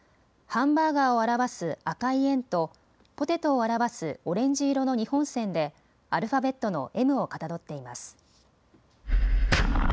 ハンバーガーを表す赤い円とポテトを表すオレンジ色の２本線でアルファベットのＭをかたどっています。